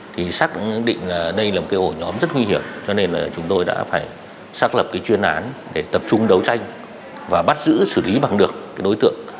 thì xác định là đây là một cái ổ nhóm rất nguy hiểm cho nên là chúng tôi đã phải xác lập cái chuyên án để tập trung đấu tranh và bắt giữ xử lý bằng được cái đối tượng